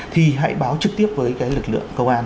thì hãy báo trực tiếp với cái lực lượng công an